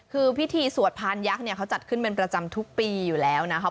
คือพิธีสวดพานยักษ์เนี่ยเขาจัดขึ้นเป็นประจำทุกปีอยู่แล้วนะครับ